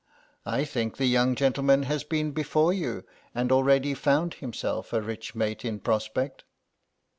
"I think the young gentleman has been before you and already found himself a rich mate in prospect."